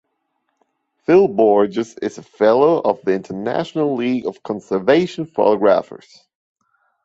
Phil Borges is a Fellow of the International League of Conservation Photographers.